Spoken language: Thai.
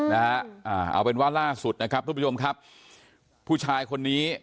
นะฮะอ่าเอาเป็นว่าล่าสุดนะครับทุกผู้ชมครับผู้ชายคนนี้